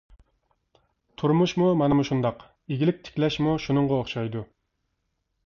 تۇرمۇشمۇ مانا مۇشۇنداق، ئىگىلىك تىكلەشمۇ شۇنىڭغا ئوخشايدۇ.